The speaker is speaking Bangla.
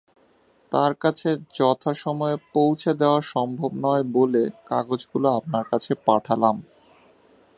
তার কাছে যথাসময়ে পৌঁছে দেওয়া সম্ভব নয় বলে, কাগজগুলি আপনার কাছে পাঠালাম।